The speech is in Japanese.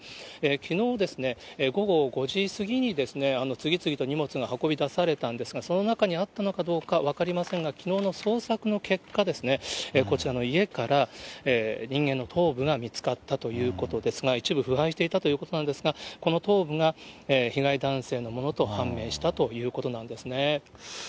きのう午後５時過ぎに、次々と荷物が運び出されたんですが、その中にあったのかどうか分かりませんが、きのうの捜索の結果、こちらの家から、人間の頭部が見つかったということですが、一部腐敗していたということなんですが、この頭部が、被害男性のものと判明したということなんですね。